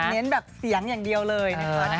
เน้นแบบเสียงอย่างเดียวเลยนะคะ